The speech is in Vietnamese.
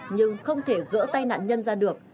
nhưng không thể gỡ tay nạn nhân ra được